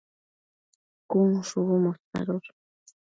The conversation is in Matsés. cun shubu mosadosh